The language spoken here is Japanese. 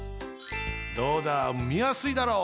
どうだみやすいだろう？